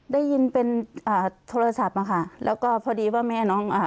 ได้ยินเป็นอ่าโทรศัพท์มาค่ะแล้วก็พอดีว่าแม่น้องอ่า